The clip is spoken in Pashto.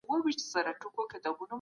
اسلام د بې وزلو ملاتړی دی.